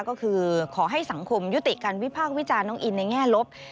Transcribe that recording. ก็คือขอให้สังคมยุติการวิพากษ์วิจารณ์น้องอินในแง่ลบ